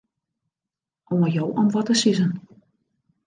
Oan jo om wat te sizzen.